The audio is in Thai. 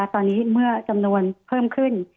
ตอนนี้เมื่อจำนวนเพิ่มขึ้น